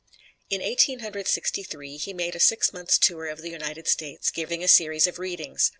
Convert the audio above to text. In Eighteen Hundred Sixty three, he made a six months' tour of the United States, giving a series of readings.